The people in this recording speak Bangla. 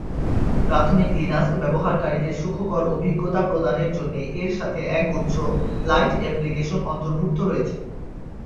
প্রাথমিক লিনাক্স ব্যবহারকারীদের সুখকর অভিজ্ঞতা প্রদানের জন্যে এর সাথে একগুচ্ছ "লাইট এপ্লিকেশন" অন্তর্ভুক্ত রয়েছে।